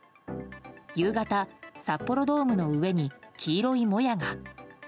夕方、札幌ドームの上に黄色いもやが。